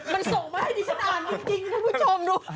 มันส่งมาให้ดิฉันอ่านจริงท่านผู้ชมดู